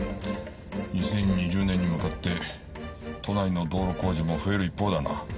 ２０２０年に向かって都内の道路工事も増える一方だな。